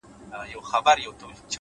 هڅاند ذهن نوې لارې مومي’